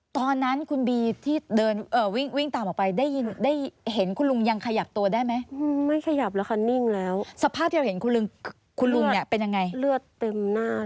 ตอนนั้นคุณบีที่เดินวิ่งตามออกไปได้เห็นคุณลุงยังขยับโตได้ไหม